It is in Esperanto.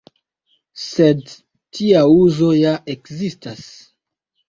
Sed tia uzo ja ekzistas.